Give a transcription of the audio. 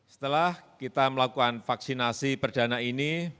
setelah kita melakukan vaksinasi perdana ini